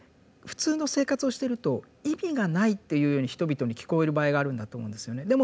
普通の生活をしてると意味がないというように人々に聞こえる場合があるんだと思うんですよね。